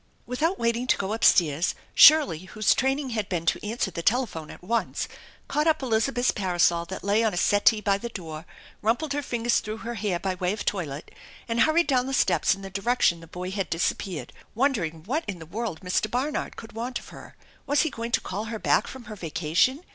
Without waiting to go upstairs Shirley, whose trailing had been to answer the telephone at once, caught up Eliza beth's parasol that lay on a settee by the door, rumpled her fingers through her hair by way of toilet and hurried down THE ENCHANTED BARN 237 the steps in the direction the boy had disappeared, wonder ing what in the world Mr. Barnard could want of her ? Was he going to call her back from her vacation